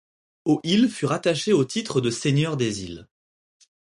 Au il fut rattaché au titre de Seigneur des Îles.